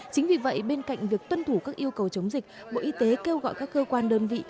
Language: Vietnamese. chính vì vậy bên cạnh việc tuân thủ các yêu cầu chống dịch bộ y tế kêu gọi các cơ quan đơn vị